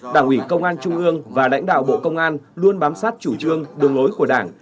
đảng ủy công an trung ương và lãnh đạo bộ công an luôn bám sát chủ trương đường lối của đảng